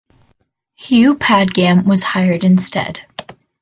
Hugh Padgham was hired instead.